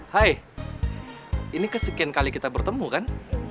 hai ini kesekian kali kita bertemu kan